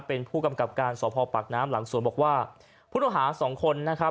เป็นผู้กำกับการสอบพอปากน้ำหลังสวนบอกว่าผู้ต้องหาสองคนนะครับ